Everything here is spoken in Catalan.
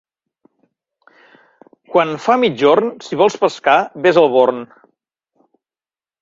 Quan fa migjorn, si vols pescar, ves al Born.